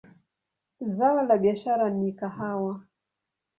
Zao la biashara ni kahawa.